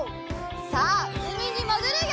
さあうみにもぐるよ！